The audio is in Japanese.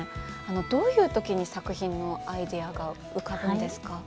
どういう時に作品のアイデアが浮かぶんですか？